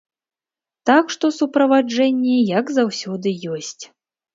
Так што, суправаджэнне, як заўсёды, ёсць.